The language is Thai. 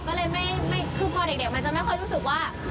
ก็เลยไม่คือพอเด็กมันจะไม่ค่อยรู้สึกว่า